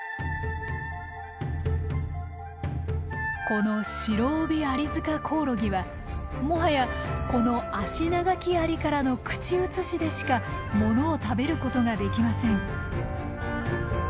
このシロオビアリヅカコオロギはもはやこのアシナガキアリからの口移しでしか物を食べることができません。